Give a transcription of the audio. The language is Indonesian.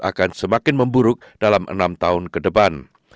akan semakin memburuk dalam enam tahun ke depan